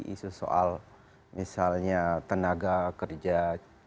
isu soal misalnya tenaga kerja